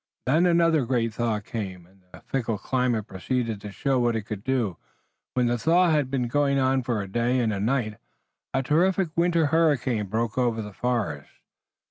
Then another great thaw came, and the fickle climate proceeded to show what it could do. When the thaw had been going on for a day and a night a terrific winter hurricane broke over the forest.